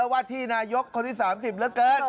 ว่าที่นายกที่๓๐แล้วเกิด